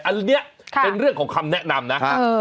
อันนี้เป็นเรื่องของคำแนะนำนะ